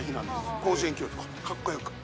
甲子園球場、かっこよく。